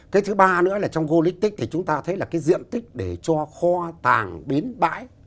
cái thứ ba nữa là trong olyc thì chúng ta thấy là cái diện tích để cho kho tàng bến bãi